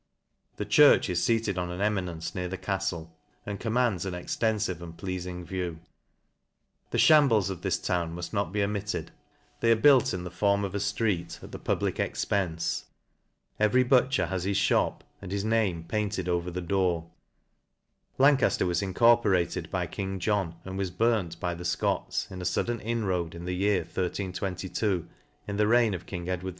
The church is feated on an eminence, nea th ftrrf ^ LANCASHIRE. 2 gi the caftle, and commands an extenfive and pleafing The fhambles of this town muft not be omitted : they are built in form of a ftreet, at the public ex pence : every butcher has his (hop, and his name painted over the door, Lancafter was incorporated by king John y and was burnt by the Scots, in a fudden inroad in the year 1322, in the reign of king Edward II.